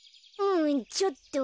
うんちょっと。